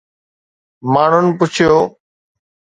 ماڻهن پڇيو